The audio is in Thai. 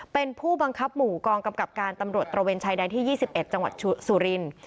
เป็นผู้บังคับหมู่กองกำกับการตำรวจตระเวนชายแดนที่๒๑จังหวัดสุรินทร์